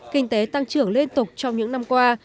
kinh tế tăng trưởng liên tục trong những năm qua